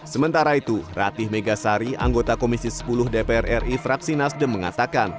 sementara itu ratih megasari anggota komisi sepuluh dpr ri fraksi nasdem mengatakan